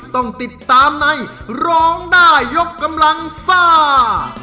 ต้องติดตามในร้องได้ยกกำลังซ่า